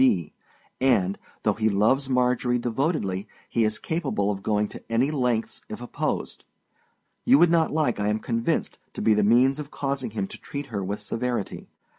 W. D.; and, though he loves Marjorie devotedly, he is capable of going to any lengths if opposed. You would not like, I am convinced, to be the means of causing him to treat her with severity.